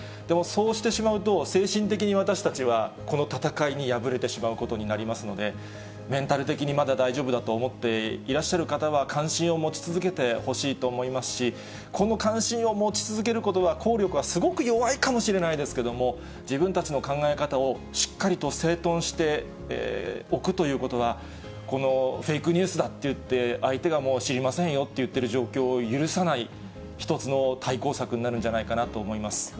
でもそうしてしまうと、精神的に私たちは、この戦いに敗れてしまうことになりますので、メンタル的にまだ大丈夫だと思っていらっしゃる方は、関心を持ち続けてほしいと思いますし、この関心を持ち続けることは、効力はすごく弱いかもしれないですけれども、自分たちの考え方をしっかりと整とんしておくということは、このフェイクニュースだって言って、相手がもう知りませんよっていってる状況を許さない、一つの対抗策になるんじゃないかなと思います。